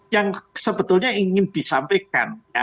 yang sebetulnya ingin disampaikan